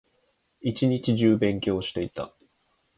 一日中勉強していた